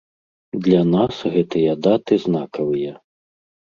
Для нас гэтыя даты знакавыя.